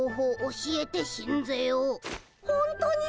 ほんとに！？